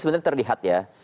sebenarnya terlihat ya